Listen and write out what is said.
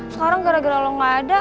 sekarang gara gara lo gak ada